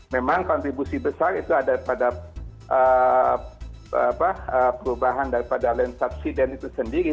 memang kontribusi besar itu ada pada perubahan daripada land subsidence itu sendiri